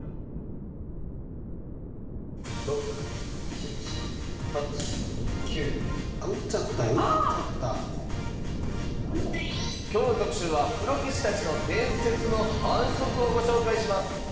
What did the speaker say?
今日の特集はプロ棋士たちの伝説の反則をご紹介します